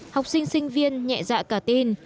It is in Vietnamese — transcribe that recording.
học sinh sinh viên nhẹ dạ cả tin